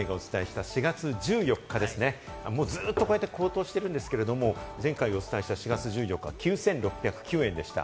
前回、『ＤａｙＤａｙ．』がお伝えした４月１４日ですね、ずっとこうやって高騰しているんですけれども前回、お伝えした４月１４日は９６０９円でした。